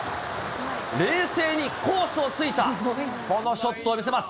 冷静にコースをついたこのショットを見せます。